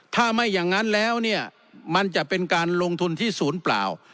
ถ้าไม่อย่างนั้นแล้วเนี่ยมันจะเป็นการลงทุนที่ศูนย์เปล่า